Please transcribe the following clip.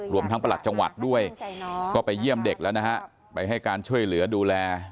รวมทั้งประหลัดจังหวัดด้วยก็ไปเยี่ยมเด็กแล้วนะฮะไปให้การช่วยเหลือดูแล